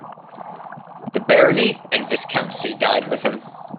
The barony and viscountcy died with him.